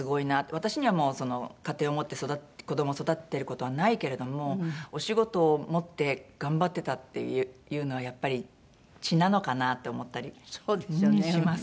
私にはもう家庭を持って子供を育てる事はないけれどもお仕事を持って頑張ってたっていうのはやっぱり血なのかなって思ったりします。